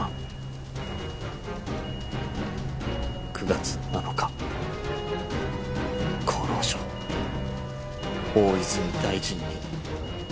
９月７日厚労省大泉大臣に５千万。